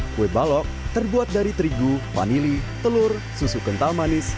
kue balok terbuat dari terigu vanili telur susu kental manis